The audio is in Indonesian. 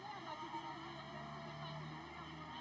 ya polisi sudah hadir di tempat ini